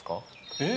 えっ！